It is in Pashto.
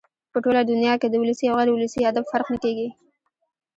په ټوله دونیا کښي د ولسي او غیر اولسي ادب فرق نه کېږي.